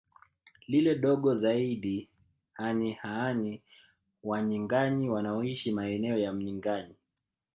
Lile dogo zaidi la AnyiÅanyi Wanyinganyi wanaoishi maeneo ya Mnyinganyi